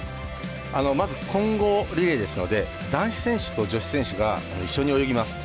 まず混合リレーですので男子選手と女子選手が一緒に泳ぎます。